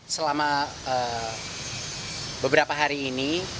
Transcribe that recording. selama beberapa hari ini